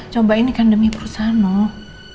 coba ini kan demi perusahaan loh